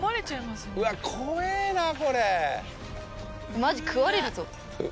マジ食われるぞ。